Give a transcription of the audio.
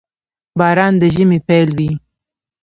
• باران د ژمي پيل وي.